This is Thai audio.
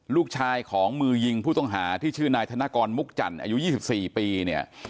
ลูกชายของมือยิงผู้ต้องหาที่ชื่อนายธนกรมุกจันทร์อายุ๒๔ปีเนี่ย